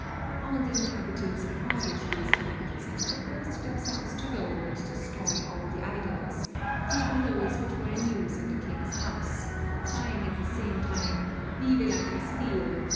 All the inhabitants applauded these acts, and proposed themselves to go and destroy all the idols, even those which were in use in the king's house, crying at the same time '_Vive la Castille!